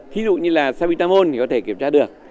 ví dụ như là sabitamol thì có thể kiểm tra được